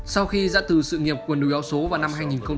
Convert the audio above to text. sau khi giãn từ sự nghiệp quần đùi áo số vào năm hai nghìn một mươi năm